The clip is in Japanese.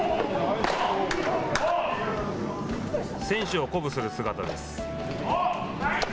選手を鼓舞する姿です。